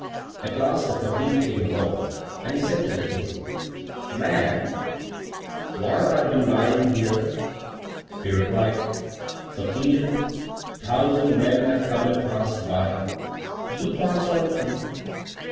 At last a Fakir came along, and he said to the King, "Man, why are you lying here?" He replied, "Fakir, a thousand men have come and passed by; you pass on too."